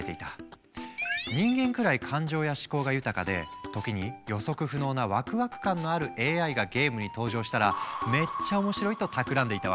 人間くらい感情や思考が豊かで時に予測不能なワクワク感のあるＡＩがゲームに登場したらめっちゃ面白いとたくらんでいたわけ。